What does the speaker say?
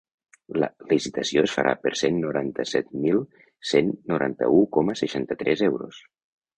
La licitació es farà per cent noranta-set mil cent noranta-u coma seixanta-tres euros.